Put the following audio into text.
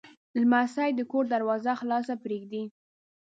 لمسی د کور دروازه خلاصه پرېږدي.